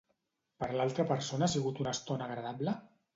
Per l'altra persona ha sigut una estona agradable?